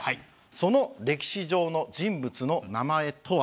その歴史上の人物の名前とは。